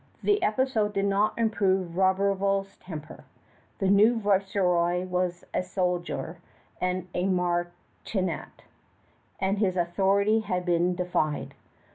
The episode did not improve Roberval's temper. The new Viceroy was a soldier and a martinet, and his authority had been defied.